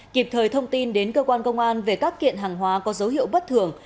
kịp thời thông tin đến cơ quan công an về các kiện hàng hóa có dấu hiệu bất thường